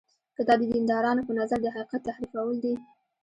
که دا د دیندارانو په نظر د حقیقت تحریفول دي.